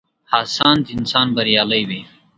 هڅاند انسان بريالی وي.